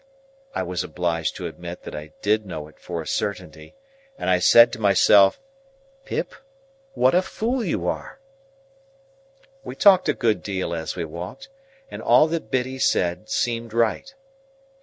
I was obliged to admit that I did know it for a certainty, and I said to myself, "Pip, what a fool you are!" We talked a good deal as we walked, and all that Biddy said seemed right.